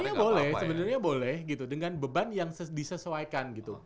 sebenarnya boleh sebenarnya boleh gitu dengan beban yang disesuaikan gitu